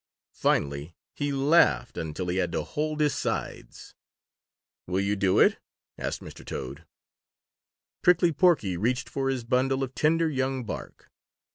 Finally he laughed until he had to hold his sides. "Will you do it?" asked Mr. Toad. Prickly Porky reached for his bundle of tender young bark.